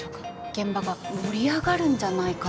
現場が盛り上がるんじゃないかと。